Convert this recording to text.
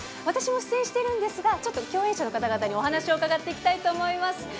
私も出演しているんですがちょっと共演者の方々にお話を伺っていきたいと思います。